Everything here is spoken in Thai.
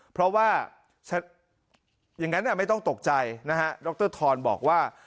เพราะว่าอย่างนั้นไม่ต้องตกใจนะฮะดรทรบอกว่า